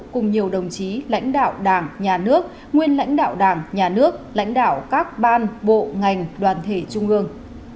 cùng nhiều đồng chí lãnh đạo đảng nhà nước nguyên lãnh đạo đảng nhà nước lãnh đạo các ban bộ ngành đoàn thể trung ương